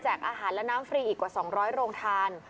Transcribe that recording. อาหารและน้ำฟรีอีกกว่า๒๐๐โรงทาน